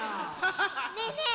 ねえねえ